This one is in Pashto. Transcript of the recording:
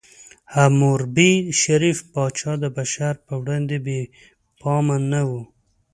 حموربي، شریف پاچا، د بشر په وړاندې بې پامه نه و.